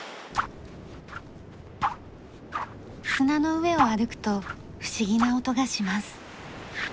砂の上を歩くと不思議な音がします。